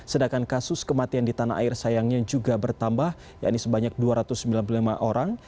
sedangkan kasus kematian di tanah air sayangnya juga bertambah yakni sebanyak dua ratus sembilan puluh lima orang